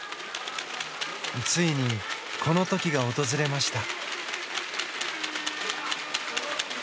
ついに、この時が訪れました。